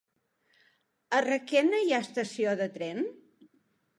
A Requena hi ha estació de tren?